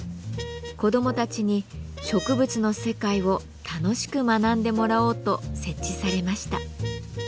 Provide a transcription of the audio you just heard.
子どもたちに植物の世界を楽しく学んでもらおうと設置されました。